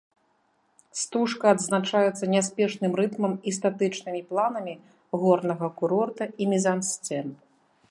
Стужка адзначаецца няспешным рытмам і статычнымі планамі горнага курорта і мізансцэн.